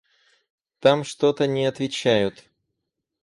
– Там что-то не отвечают.